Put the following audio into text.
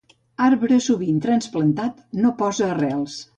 Arbre sovint trasplantat no posa arrels.